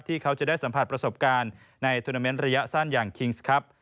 เขาจะได้สัมผัสประสบการณ์ในทวนาเมนต์ระยะสั้นอย่างคิงส์ครับ